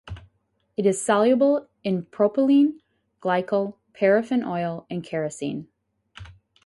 It is soluble in propylene glycol, paraffin oil, and kerosene.